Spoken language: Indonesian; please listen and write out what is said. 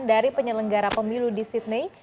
dari penyelenggara pemilu di sydney